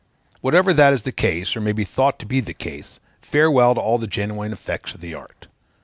Whenever that is the case, or may be thought to be the case, farewell to all the genuine effects of the art.